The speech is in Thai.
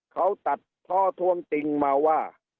เขาตัดข้อทวงติงมาว่า